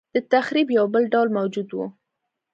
دتخریب یو بل ډول موجود و.